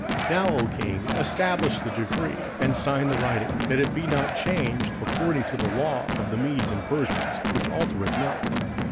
27:006:008 Now, O king, establish the decree, and sign the writing, that it be not changed, according to the law of the Medes and Persians, which altereth not.